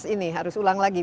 ini harus ulang lagi